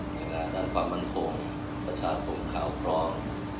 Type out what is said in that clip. หน่วยงานด้านความมันคมประชาคมข่าวพร้อม